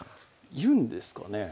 いるんですかね？